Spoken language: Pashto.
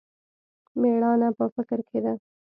مېړانه په فکر کښې ده.